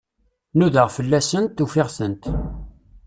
Nudaɣ fell-asent, ufiɣ-tent.